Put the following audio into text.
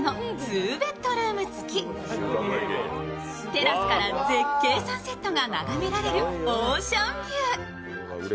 テラスから絶景サンセットが眺められるオーシャンビュー。